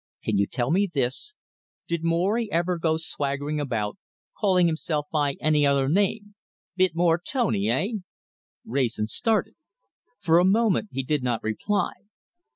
"Can you tell me this? Did Morry ever go swaggering about calling himself by any other name bit more tony, eh?" Wrayson started. For a moment he did not reply.